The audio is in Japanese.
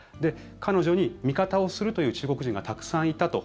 彼女に味方をするという中国人がたくさんいたと。